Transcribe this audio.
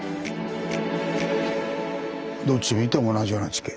どっち見ても同じような地形。